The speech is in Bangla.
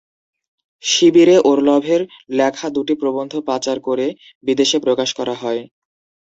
শিবিরে ওরলভের লেখা দুটি প্রবন্ধ পাচার করে বিদেশে প্রকাশ করা হয়।